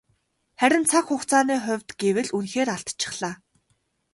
Харин цаг хугацааны хувьд гэвэл үнэхээр алдчихлаа.